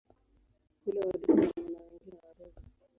Hula wadudu na wanyama wengine wadogo.